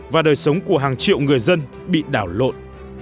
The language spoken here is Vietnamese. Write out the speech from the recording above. và đời sống của hàng triệu người dân bị đảo lộn